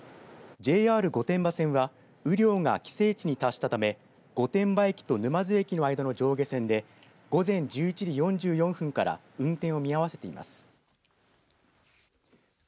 ＪＲ御殿場線は雨量が規制値に達したため御殿場駅と沼津駅の間の上下線で午前１１時４４分から運転を見合わせています。